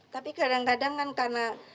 tapi kadang kadang kan karena